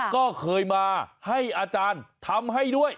ก็เคยมาให้อาจารย์ทำให้ด้วย